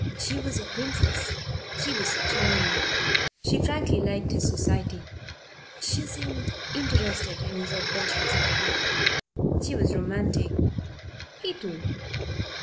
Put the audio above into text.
She was a princess. She was charming. She frankly liked his society. She seemed interested in his adventurous career. She was romantic. He too.